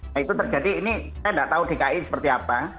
nah itu terjadi ini saya tidak tahu dki seperti apa